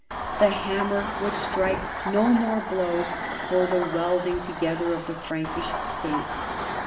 The hammer would strike no mora blows for the welding together of tlie Frankish State.